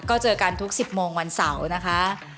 ก็เจอกันทุก๑๐โมงวันเสาร์นะคะ